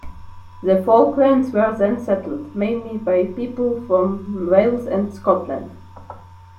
The Falklands were then settled, mainly by people from Wales and Scotland.